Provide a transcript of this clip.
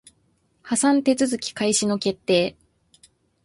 破産手続開始の決定